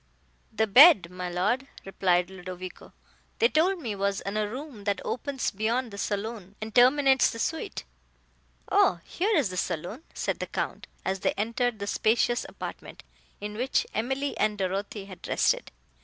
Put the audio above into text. "The bed, my Lord," replied Ludovico, "they told me, was in a room that opens beyond the saloon, and terminates the suite." "O, here is the saloon," said the Count, as they entered the spacious apartment, in which Emily and Dorothée had rested.